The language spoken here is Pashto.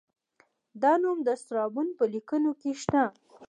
دا نوم د سترابون په لیکنو کې شته